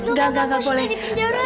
enggak enggak enggak boleh